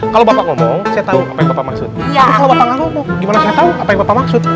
kalau bapak ngomong saya tahu apa yang bapak maksud gimana saya tahu apa yang bapak maksud